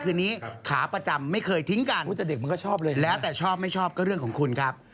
คือนี้ขาประจำไม่เคยทิ้งกันแต่เด็กมันก็ชอบเลยแล้วแต่ชอบไม่ชอบก็เรื่องของคุณครับ